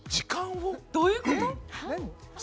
どういうこと。